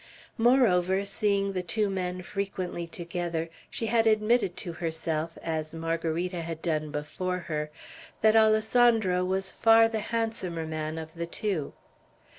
Moreover, seeing the two men frequently together, she had admitted to herself, as Margarita had done before her, that Alessandro was far the handsomer man of the two.